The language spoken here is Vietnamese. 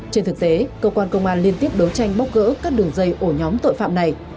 trên thực tế cơ quan công an liên tiếp đấu tranh bóc gỡ các đường dây ổ nhóm tội phạm này